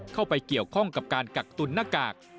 เข้าไปเกี่ยวข้องกับการกักตุนหน้ากาก